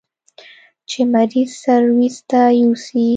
چې مريض سرويس ته يوسي.